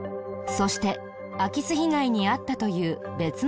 そして空き巣被害に遭ったという別の男性も。